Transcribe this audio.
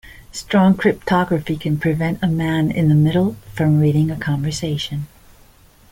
Strong cryptography can prevent a man in the middle from reading a conversation.